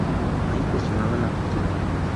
Ha incursionado en la pintura.